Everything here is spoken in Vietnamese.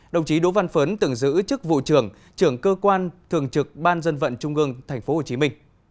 đồng chí đỗ văn phớn từng giữ chức vụ trưởng trưởng cơ quan thường trực ban dân vận trung ương tp hcm